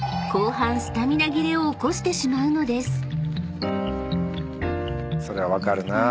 ［起こしてしまうのです］